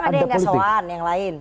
ada yang gak soan yang lain